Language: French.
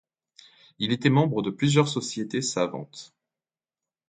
Il était membre de plusieurs sociétés savantes.